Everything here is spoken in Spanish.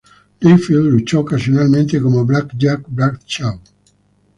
Layfield luchó ocasionalmente como "Blackjack Bradshaw".